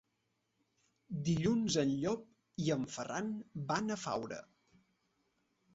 Dilluns en Llop i en Ferran van a Faura.